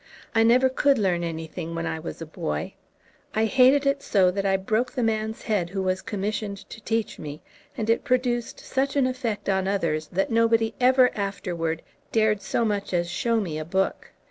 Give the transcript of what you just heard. I never could learn anything when I was a boy. I hated it so that I broke the man's head who was commissioned to teach me; and it produced such an effect on others that nobody ever afterwards dared so much as show me a book.